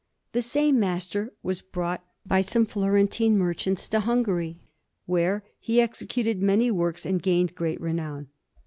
The same master was brought by some Florentine merchants to Hungary, where he executed many works and gained great renown.